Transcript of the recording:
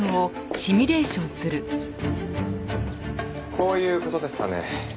こういう事ですかね？